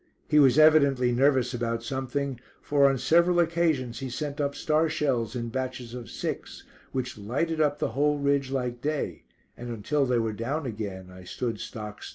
He was evidently nervous about something, for on several occasions he sent up star shells, in batches of six, which lighted up the whole ridge like day, and until they were down again I stood stock still.